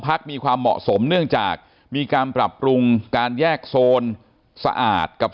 พักมีความเหมาะสมเนื่องจากมีการปรับปรุงการแยกโซนสะอาดกับ